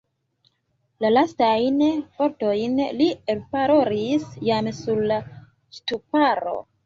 La lastajn vortojn li elparolis jam sur la ŝtuparo.